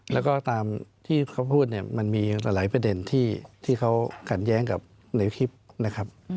แล้วก็ตามที่เขาพูดเนี่ยมันมีหลายประเด็นที่เขาขัดแย้งกับในคลิปนะครับ